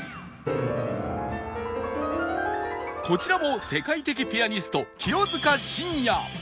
こちらも世界的ピアニスト清塚信也